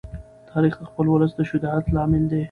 تاریخ د خپل ولس د شجاعت لامل دی.